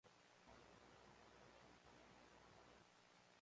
La obra ha sido recopilada en un único volumen.